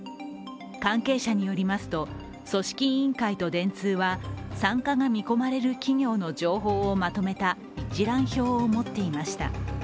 関係者によりますと組織委員会と電通は参加が見込まれる企業の情報をまとめた一覧表を持っていました。